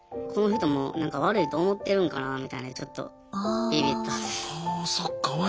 この人もなんか悪いと思ってるんかなみたいにちょっとびびったっす。